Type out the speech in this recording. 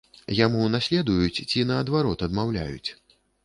Яму наследуюць ці, наадварот, адмаўляюць?